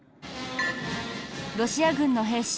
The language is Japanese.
ロシア軍の兵士